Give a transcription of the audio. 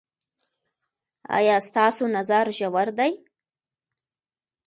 ایا ستاسو نظر ژور دی؟